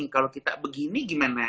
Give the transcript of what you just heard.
kalau kita begini gimana